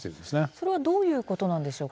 これはどういうことなんでしょうか。